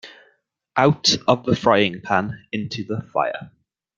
Out of the frying pan into the fire.